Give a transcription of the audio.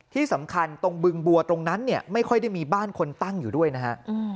ที่สำคัญตรงบึงบัวตรงนั้นเนี่ยไม่ค่อยได้มีบ้านคนตั้งอยู่ด้วยนะฮะ